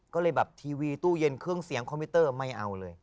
ก็เลยแบบทีวีตู้เย็นเครื่องเสียงคอมพิวเตอร์ไม่เอาเลย